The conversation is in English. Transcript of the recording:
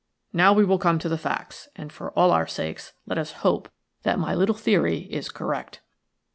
Now we will come to facts, and for all our sakes let us hope that my little theory is correct."